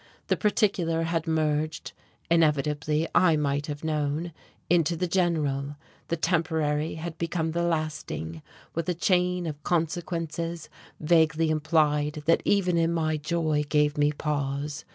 The particular had merged (inevitably, I might have known) into the general: the temporary had become the lasting, with a chain of consequences vaguely implied that even in my joy gave me pause.